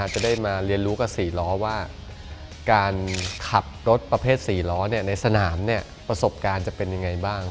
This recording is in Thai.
จะได้มาเรียนรู้กับ๔ล้อว่าการขับรถประเภท๔ล้อในสนามประสบการณ์จะเป็นยังไงบ้าง